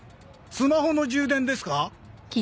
スマホの充電ですか？